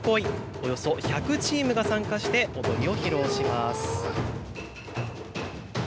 およそ１００チームが参加して踊りを披露します。